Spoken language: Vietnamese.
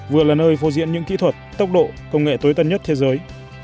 vừa là nơi phô diễn những kỹ thuật tốc độ công nghệ tối tân nhất thế giới